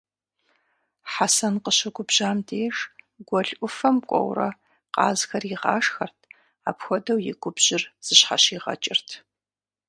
Хьэсэн къыщыгубжьам деж, гуэл ӏуфэм кӏуэурэ къазхэр игъашхэрт, апхуэдэу и губжьыр зыщхьэщигъэкӏырт.